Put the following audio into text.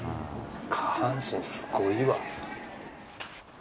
下半身、すごいわ。